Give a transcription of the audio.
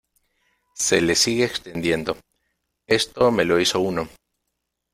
se le sigue extendiendo. esto me lo hizo uno